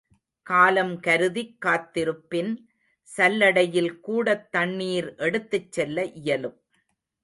காலம் கருதிக் காத்திருப்பின் சல்லடையில்கூடத் தண்னணீர் எடுத்துச்செல்ல இயலும்.